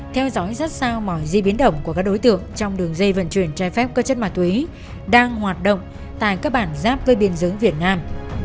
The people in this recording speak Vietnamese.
theo dõi rất sao mọi di biến động của các đối tượng trong đường dây vận chuyển trái phép cơ chất ma túy đang hoạt động tại các bản giáp cơ biên giới việt nam